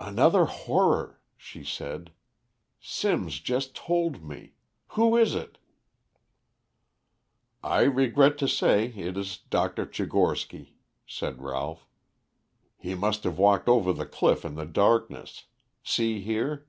"Another horror," she said. "Sims just told me. Who is it?" "I regret to say it is Dr. Tchigorsky," said Ralph. "He must have walked over the cliff in the darkness. See here."